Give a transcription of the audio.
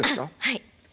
はい。